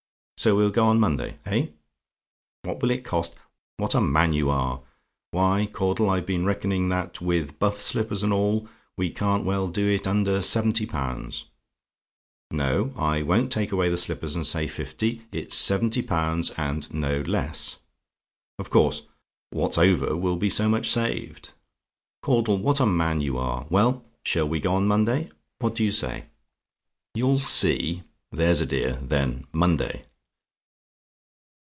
So we'll go on Monday? Eh? "WHAT WILL IT COST? "What a man you are! Why, Caudle, I've been reckoning that, with buff slippers and all, we can't well do it under seventy pounds. No; I won't take away the slippers and say fifty. It's seventy pounds and no less. Of course, what's over will be so much saved. Caudle, what a man you are! Well, shall we go on Monday? What do you say "YOU'LL SEE? "There's a dear. Then, Monday."